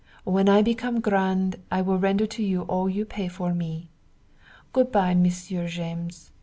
When I become grand I will render to you all you pay for me. Goodbye monsieur James.